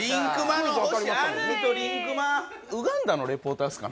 ウガンダのリポーターですか？